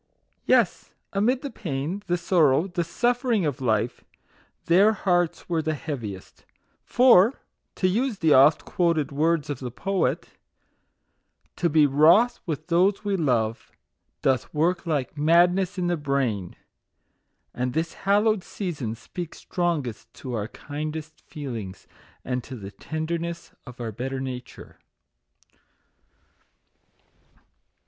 Yes, amid the pain, the sorrow, the suf fering of life, their hearts were the heaviest; for (to use the oft quoted words of the poet) " to be wroth with those we love, doth work like madness in the brain;" and this hallowed sea son speaks strongest to our kindest feelings, and to the tenderness of our better nature.